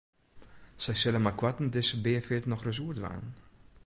Sy sille meikoarten dizze beafeart nochris oerdwaan.